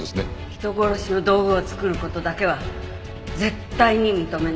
人殺しの道具を作る事だけは絶対に認めない。